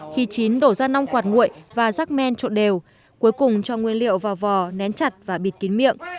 khi chín đổ ra nong quạt nguội và rác men trộn đều cuối cùng cho nguyên liệu vào vò nén chặt và bịt kín miệng